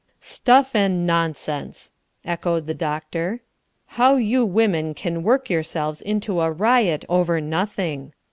"Stuff and nonsense!" echoed the doctor. "How you women can work yourselves into a riot over nothing.